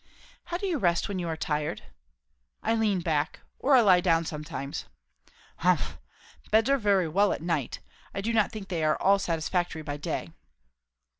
"How do you rest when you are tired?" "I lean back. Or I lie down sometimes." "Humph! Beds are very well at night. I do not think they are at all satisfactory by day."